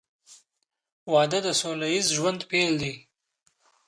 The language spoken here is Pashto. • واده د سوله ییز ژوند پیل دی.